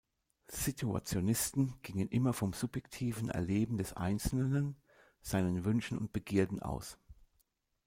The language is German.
Situationisten gingen immer vom subjektiven Erleben des Einzelnen, seinen Wünschen und Begierden aus.